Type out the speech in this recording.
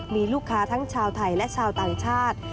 มีลูกค้าทั้งชาวไทยและชาวต่างชาติ